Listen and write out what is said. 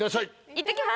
いってきます！